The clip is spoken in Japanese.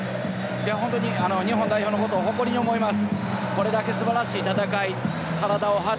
本当に日本代表のことを誇りに思います。